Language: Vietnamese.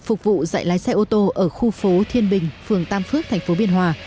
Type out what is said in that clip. phục vụ dạy lái xe ô tô ở khu phố thiên bình phường tam phước thành phố biên hòa